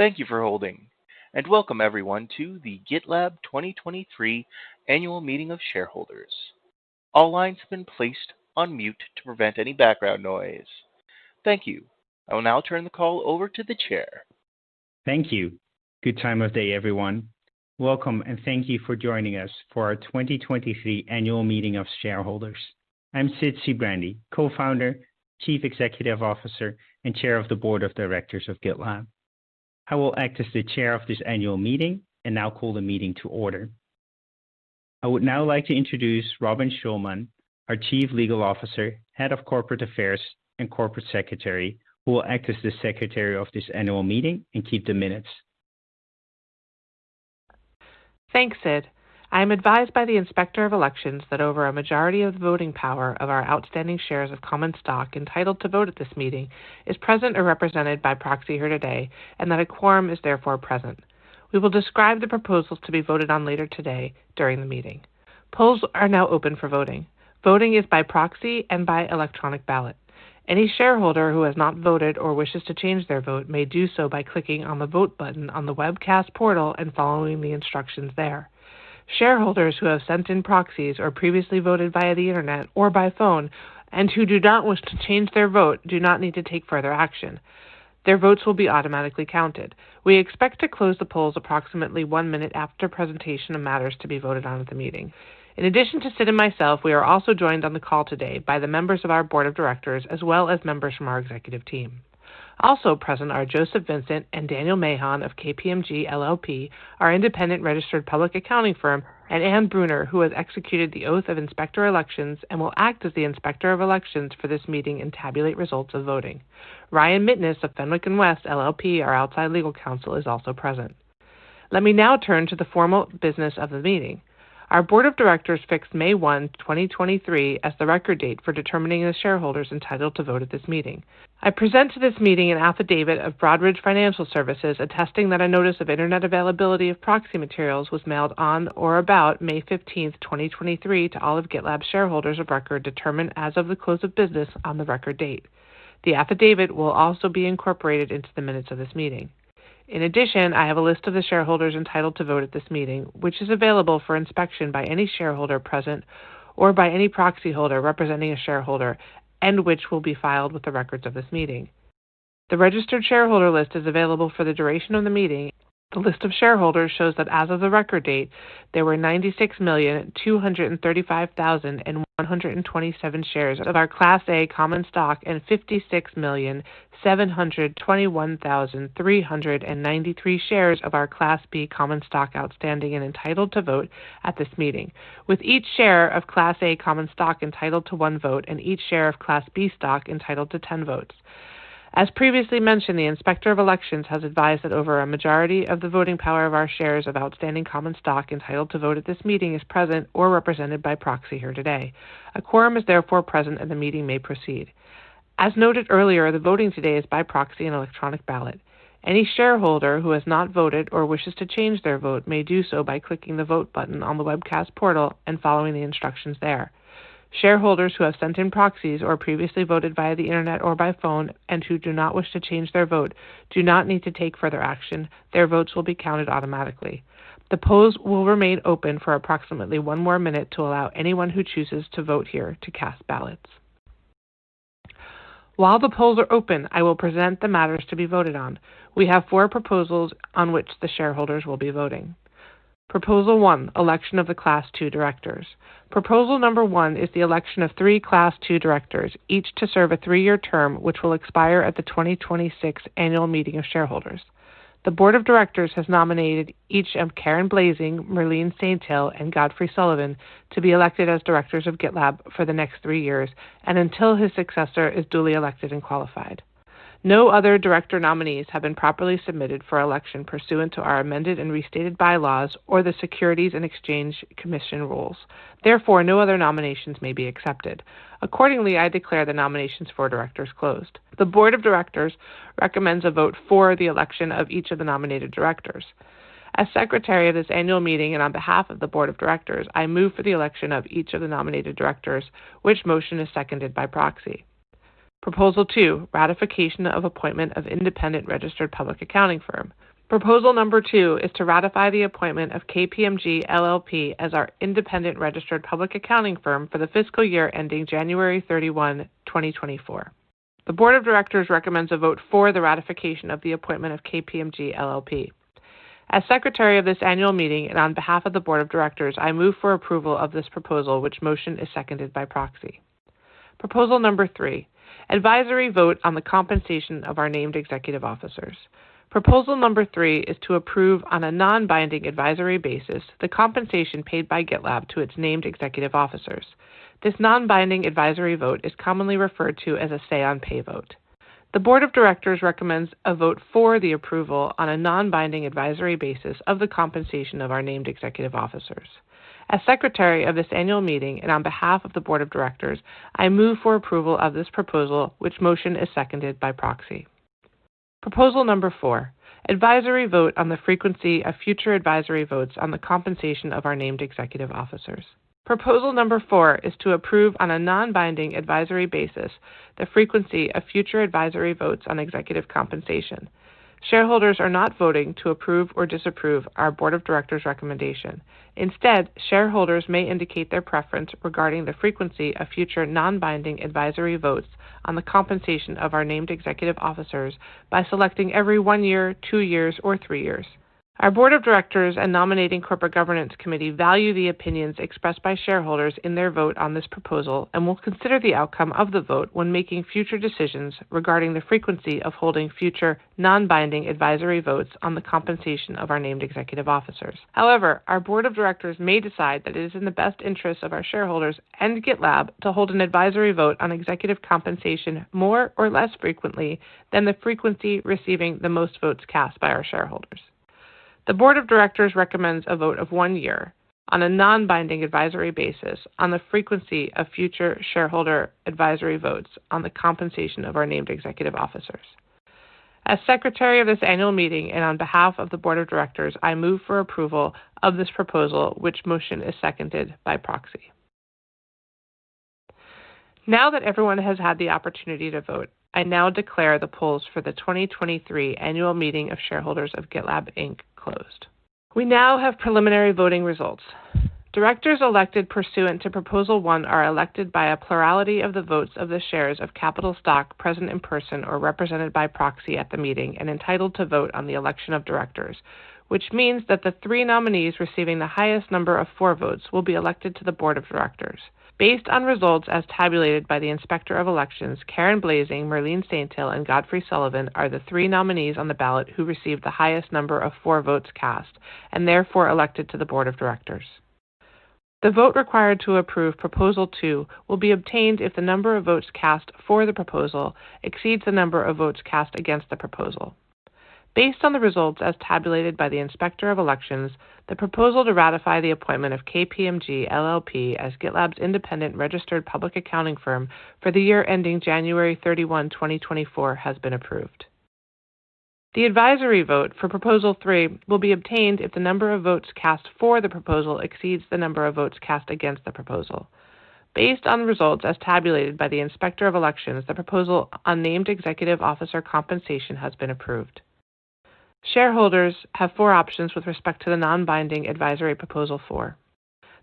Thank you for holding. Welcome everyone to the GitLab 2023 Annual Meeting of Shareholders. All lines have been placed on mute to prevent any background noise. Thank you. I will now turn the call over to the chair. Thank you. Good time of day, everyone. Welcome, and thank you for joining us for our 2023 Annual Meeting of Shareholders. I'm Sid Sijbrandij, Co-founder, Chief Executive Officer, and Chair of the Board of Directors of GitLab. I will act as the chair of this annual meeting and now call the meeting to order. I would now like to introduce Robin Schulman, our Chief Legal Officer, Head of Corporate Affairs, and Corporate Secretary, who will act as the secretary of this annual meeting and keep the minutes. Thanks, Sid. I am advised by the Inspector of Elections that over a majority of the voting power of our outstanding shares of common stock entitled to vote at this meeting, is present or represented by proxy here today, and that a quorum is therefore present. We will describe the proposals to be voted on later today during the meeting. Polls are now open for voting. Voting is by proxy and by electronic ballot. Any shareholder who has not voted or wishes to change their vote may do so by clicking on the Vote button on the webcast portal and following the instructions there. Shareholders who have sent in proxies or previously voted via the internet or by phone, and who do not wish to change their vote, do not need to take further action. Their votes will be automatically counted. We expect to close the polls approximately one minute after presentation of matters to be voted on at the meeting. In addition to Sid and myself, we are also joined on the call today by the members of our board of directors, as well as members from our executive team. Also present are Joseph Vincent and Daniel Mahan of KPMG LLP, our independent registered public accounting firm, and Anne Brunner, who has executed the Oath of Inspector of Elections and will act as the Inspector of Elections for this meeting and tabulate results of voting. Ryan Mitteness of Fenwick & West LLP, our outside legal counsel, is also present. Let me now turn to the formal business of the meeting. Our board of directors fixed May 1, 2023, as the record date for determining the shareholders entitled to vote at this meeting. I present to this meeting an affidavit of Broadridge Financial Services, attesting that a notice of internet availability of proxy materials was mailed on or about May 15, 2023, to all of GitLab's shareholders of record, determined as of the close of business on the record date. The affidavit will also be incorporated into the minutes of this meeting. I have a list of the shareholders entitled to vote at this meeting, which is available for inspection by any shareholder present or by any proxy holder representing a shareholder, and which will be filed with the records of this meeting. The registered shareholder list is available for the duration of the meeting. The list of shareholders shows that as of the record date, there were 96,235,127 shares of our Class A common stock and 56,721,393 shares of our Class B common stock outstanding and entitled to vote at this meeting, with each share of Class A common stock entitled to one vote and each share of Class B stock entitled to 10 votes. As previously mentioned, the Inspector of Elections has advised that over a majority of the voting power of our shares of outstanding common stock entitled to vote at this meeting is present or represented by proxy here today. A quorum is therefore present, and the meeting may proceed. As noted earlier, the voting today is by proxy and electronic ballot. Any shareholder who has not voted or wishes to change their vote may do so by clicking the Vote button on the webcast portal and following the instructions there. Shareholders who have sent in proxies or previously voted via the internet or by phone and who do not wish to change their vote, do not need to take further action. Their votes will be counted automatically. The polls will remain open for approximately one more minute to allow anyone who chooses to vote here to cast ballots. While the polls are open, I will present the matters to be voted on. We have four proposals on which the shareholders will be voting. Proposal one, election of the Class II directors. Proposal number one is the election of three Class II directors, each to serve a three-year term, which will expire at the 2026 Annual Meeting of Shareholders. The board of directors has nominated each of Karen Blasing, Merline Saintil, and Godfrey Sullivan to be elected as directors of GitLab for the next three years and until his successor is duly elected and qualified. No other director nominees have been properly submitted for election pursuant to our amended and restated bylaws or the Securities and Exchange Commission rules. No other nominations may be accepted. I declare the nominations for directors closed. The board of directors recommends a vote for the election of each of the nominated directors. As secretary of this annual meeting and on behalf of the board of directors, I move for the election of each of the nominated directors, which motion is seconded by proxy. Proposal two, ratification of appointment of independent registered public accounting firm. Proposal number two is to ratify the appointment of KPMG LLP as our independent registered public accounting firm for the fiscal year ending January 31, 2024. The Board of Directors recommends a vote for the ratification of the appointment of KPMG LLP. As Secretary of this annual meeting and on behalf of the Board of Directors, I move for approval of this proposal, which motion is seconded by proxy. Proposal number three, advisory vote on the compensation of our named executive officers. Proposal number three is to approve, on a non-binding advisory basis, the compensation paid by GitLab to its named executive officers. This non-binding advisory vote is commonly referred to as a say-on-pay vote. The Board of Directors recommends a vote for the approval on a non-binding advisory basis of the compensation of our named executive officers. As secretary of this annual meeting and on behalf of the board of directors, I move for approval of this proposal, which motion is seconded by proxy. Proposal number four, advisory vote on the frequency of future advisory votes on the compensation of our named executive officers. Proposal number four is to approve on a non-binding advisory basis the frequency of future advisory votes on executive compensation. Shareholders are not voting to approve or disapprove our board of directors' recommendation. Instead, shareholders may indicate their preference regarding the frequency of future non-binding advisory votes on the compensation of our named executive officers by selecting every one year, two years, or three years. Our board of directors and nominating and corporate governance committee value the opinions expressed by shareholders in their vote on this proposal and will consider the outcome of the vote when making future decisions regarding the frequency of holding future non-binding advisory votes on the compensation of our named executive officers. However, our board of directors may decide that it is in the best interest of our shareholders and GitLab to hold an advisory vote on executive compensation more or less frequently than the frequency receiving the most votes cast by our shareholders. The board of directors recommends a vote of one year on a non-binding advisory basis on the frequency of future shareholder advisory votes on the compensation of our named executive officers. As secretary of this annual meeting and on behalf of the board of directors, I move for approval of this proposal, which motion is seconded by proxy. Now that everyone has had the opportunity to vote, I now declare the polls for the 2023 annual meeting of shareholders of GitLab Inc. closed. We now have preliminary voting results. Directors elected pursuant to Proposal one are elected by a plurality of the votes of the shares of capital stock present in person or represented by proxy at the meeting and entitled to vote on the election of directors, which means that the three nominees receiving the highest number of four votes will be elected to the board of directors. Based on results as tabulated by the Inspector of Elections, Karen Blasing, Merline Saintil, and Godfrey Sullivan are the three nominees on the ballot who received the highest number of four votes cast and therefore elected to the board of directors. The vote required to approve Proposal two will be obtained if the number of votes cast for the proposal exceeds the number of votes cast against the proposal. Based on the results as tabulated by the Inspector of Elections, the proposal to ratify the appointment of KPMG LLP as GitLab's independent registered public accounting firm for the year ending January 31, 2024, has been approved. The advisory vote for Proposal three will be obtained if the number of votes cast for the proposal exceeds the number of votes cast against the proposal. Based on the results as tabulated by the Inspector of Elections, the proposal on named executive officer compensation has been approved. Shareholders have four options with respect to the non-binding advisory Proposal four.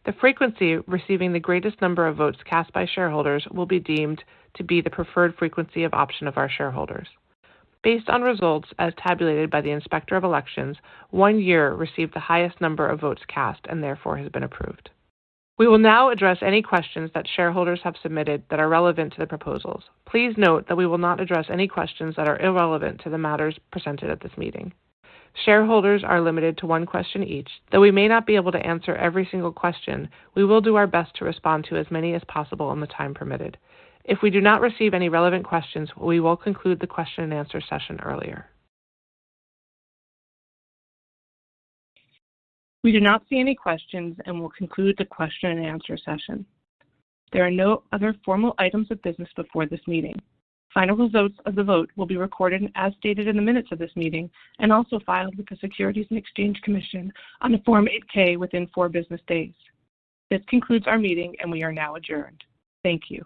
The frequency receiving the greatest number of votes cast by shareholders will be deemed to be the preferred frequency of option of our shareholders. Based on results as tabulated by the Inspector of Elections, one year received the highest number of votes cast and therefore has been approved. We will now address any questions that shareholders have submitted that are relevant to the proposals. Please note that we will not address any questions that are irrelevant to the matters presented at this meeting. Shareholders are limited to one question each. Though we may not be able to answer every single question, we will do our best to respond to as many as possible in the time permitted. If we do not receive any relevant questions, we will conclude the question and answer session earlier. We do not see any questions and will conclude the question and answer session. There are no other formal items of business before this meeting. Final results of the vote will be recorded as stated in the minutes of this meeting and also filed with the Securities and Exchange Commission on a Form 8-K within four business days. This concludes our meeting, and we are now adjourned. Thank you.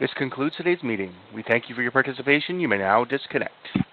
This concludes today's meeting. We thank you for your participation. You may now disconnect.